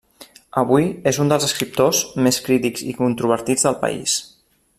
Avui, és un dels escriptors més crítics i controvertits del país.